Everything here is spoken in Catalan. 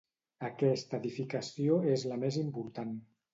Aquesta edificació és la més important.